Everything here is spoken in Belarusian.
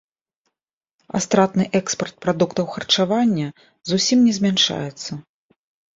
А стратны экспарт прадуктаў харчавання зусім не змяншаецца.